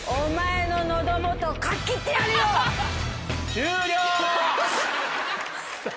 終了。